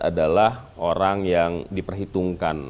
adalah orang yang diperhitungkan